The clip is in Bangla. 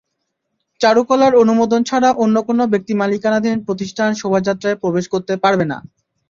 চারুকলার অনুমোদন ছাড়া অন্য কোনো ব্যক্তিমালিকানাধীন প্রতিষ্ঠান শোভাযাত্রায় প্রবেশ করতে পারবে না।